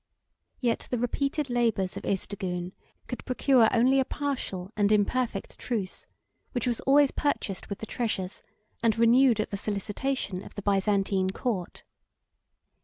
Yet the repeated labors of Isdigune could procure only a partial and imperfect truce, which was always purchased with the treasures, and renewed at the solicitation, of the Byzantine court.